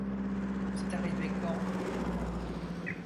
C’est arrivé quand ?